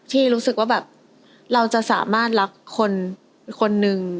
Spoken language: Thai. ที่รู้สึกว่าแบบเราจะสามารถรักคนนึง